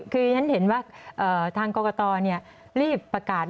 คือฉันเห็นว่าทางกรกตรีบประกาศ